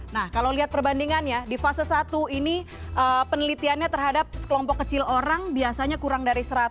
nah kalau lihat perbandingannya di fase satu ini penelitiannya terhadap sekelompok kecil orang biasanya kurang dari seratus